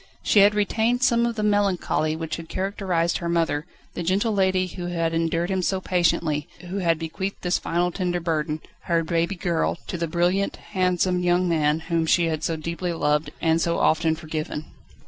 She had retained some of the melancholy which had characterised her mother, the gentle lady who had endured so much so patiently, and who had bequeathed this final tender burden her baby girl to the brilliant, handsome husband whom she had so deeply loved, and so often forgiven.